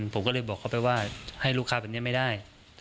ผมก็เลยบอกเขาไปว่าให้ลูกค้าแบบนี้ไม่ได้